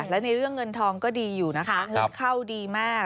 และในเรื่องเงินทองก็ดีอยู่นะคะเงินเข้าดีมาก